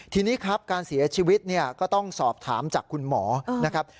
ทีนี้ครับการเสียชีวิตเนี่ยก็ต้องสอบถามจากคุณหมอนะครับ